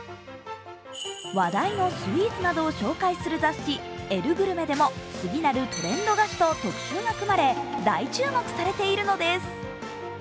話題のスイーツなどを紹介する雑誌、「ＥＬＬＥｇｏｕｒｍｅｔ」でも「次なるトレンド菓子」と特集が組まれ、大注目されているのです。